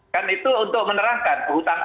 kan itu untuk menerangkan